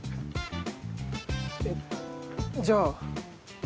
えっじゃあ。